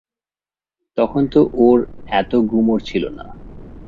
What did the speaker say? তখন তো ওর এত গুমর ছিল না।